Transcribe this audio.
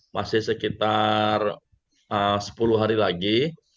masih sekitar sepuluh hari lagi